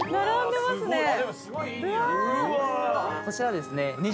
こちらはですね